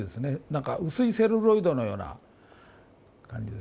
なんか薄いセルロイドのような感じですね